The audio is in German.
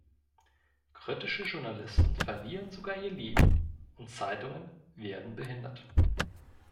Kritische Journalisten verlieren sogar ihr Leben, und Zeitungen werden behindert.